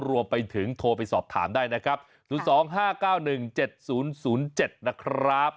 รวมไปถึงโทรไปสอบถามได้นะครับ๐๒๕๙๑๗๐๐๗นะครับ